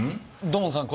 土門さん